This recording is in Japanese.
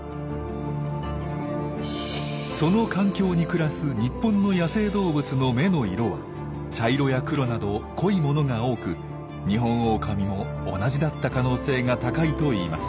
その環境に暮らす日本の野生動物の目の色は茶色や黒など濃いものが多くニホンオオカミも同じだった可能性が高いといいます。